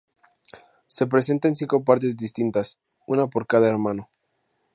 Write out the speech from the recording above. Se presenta en cinco partes distintas: una por cada hermano.